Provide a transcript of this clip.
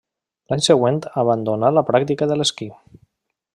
L'any següent abandonà la pràctica de l'esquí.